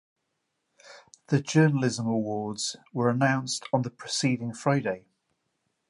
The journalism awards were announced on the preceding Friday.